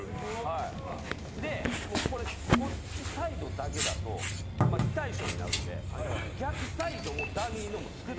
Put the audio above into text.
でこっちサイドだけだと非対称になるので逆サイドもダミーのもつくって。